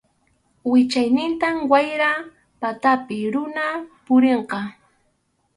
Wichaynintam wayra patapi runa purinqa.